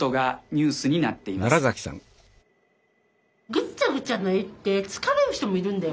ぐっちゃぐちゃな絵って疲れる人もいるんだよ。